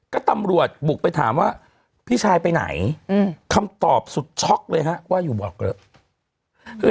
ก็ตำรวจบุกไปถามว่าพี่ชายไปไหนคำตอบสุดช็อกเลยฮะว่าอยู่บอกเถอะ